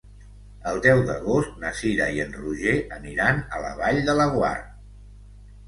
El deu d'agost na Cira i en Roger aniran a la Vall de Laguar.